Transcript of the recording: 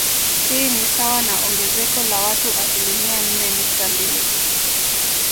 Hii ni sawa na ongezeko la watu asilimia nne nukta mbili